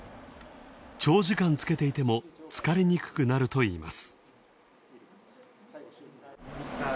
長時間つけていても、疲れにくくなるといいます。